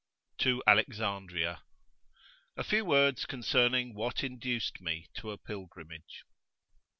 TO ALEXANDRIA. A few Words concerning what induced me to a Pilgrimage.